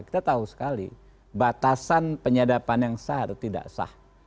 kita tahu sekali batasan penyadapan yang sah atau tidak sah